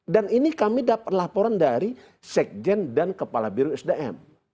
dan ini kami dapat laporan dari sekjen dan kepala biro sdm